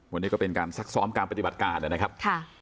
วันนี้ก็เป็นการซักซ้อมการปฏิบัติการนะครับ